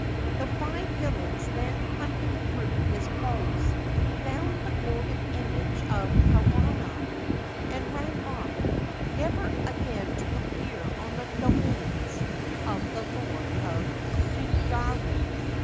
The five villains then hunted through his clothes, found the golden image of Kwannon, and ran off", never again to appear on the domains of the Lord of Tsugaru.